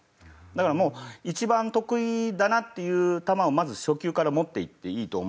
だからもう一番得意だなっていう球をまず初球から持っていっていいと思うのと。